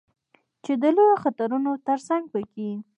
چې د لویو خطرونو ترڅنګ په کې